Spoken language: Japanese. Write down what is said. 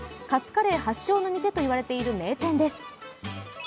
カツカレー発祥の店と言われている名店です。